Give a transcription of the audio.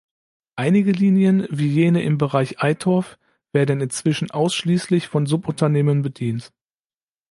Einige Linien, wie jene im Bereich Eitorf werden inzwischen ausschließlich von Subunternehmen bedient.